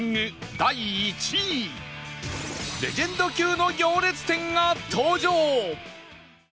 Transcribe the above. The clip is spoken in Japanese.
第１位レジェンド級の行列店が登場